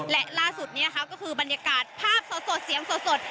และล่าสุดนี้ก็คือบรรยากาศภาพสดเสียงสด